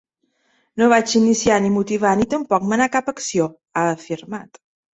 “No vaig iniciar, ni motivar, ni tampoc manar cap acció”, ha afirmat.